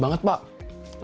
jangan lupa untuk mencoba